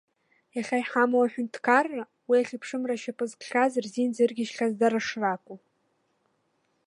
Иахьа иҳамоу аҳәынҭқарра, уи ахьыԥшымра ашьапы зкхьаз рзин зыргьежьхьаз дара шракәу.